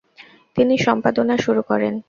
তিনি সম্পাদনা শুরু করেন।